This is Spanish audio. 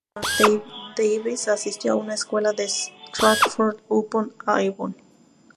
Simon Taylor-Davis asistió a una escuela en Stratford-upon-Avon.